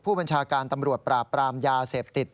ผู้บัญชาการตำรวจปราบปรามยาเสพติด